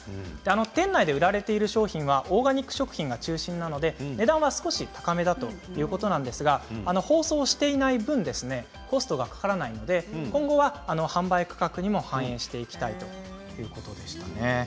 店内で売られている商品はオーガニック商品が中心なので値段は少し高めだということですが、包装していない分コストがかからないので今後は販売価格にも、反映していきたいということでしたね。